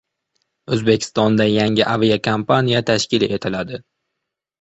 O‘zbekistonda yangi aviakompaniya tashkil etiladi